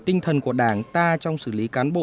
tinh thần của đảng ta trong xử lý cán bộ